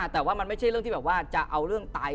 แต่ว่ามันไม่ใช่เรื่องที่แบบว่าจะเอาเรื่องตาย